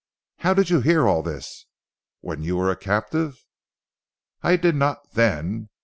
"How did you hear all this, when you were a captive?" "I did not then.